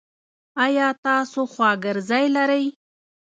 ایا تاسو خواګرځی لری؟